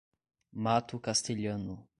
Mato Castelhano